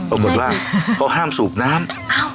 อุดบอกว่าเขาห้ามสูบน้ำ